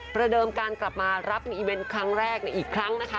เดิมการกลับมารับมีอีเวนต์ครั้งแรกในอีกครั้งนะคะ